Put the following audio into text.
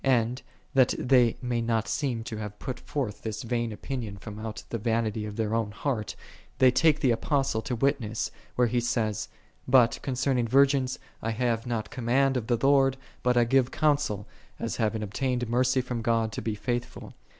And, that they may not seem to have put forth this vain opinion from out the vanity of their own heart, they take the Apostle to witness, where he saith, " But concerning virgins I have not command of the Lord, but I give counsel, as having obtained mercy from God to be faithful.